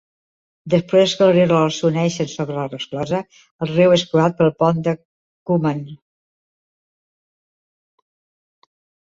Després que els rierols s'uneixin sobre la resclosa, el riu és creuat pel pont de Cookham.